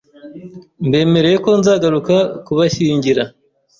mbemereye ko nzagaruka kubashyingira